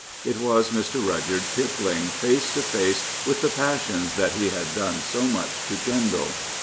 It was Mr. Rudyard Kipling face to face with the passions that he had done so much to kindle.